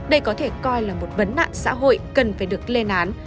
đây có thể coi là một vấn nạn xã hội cần phải được lên án